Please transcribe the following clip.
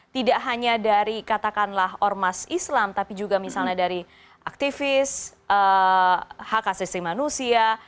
tidak hanya dari katakanlah ormas islam tapi juga misalnya dari aktivis hak asasi manusia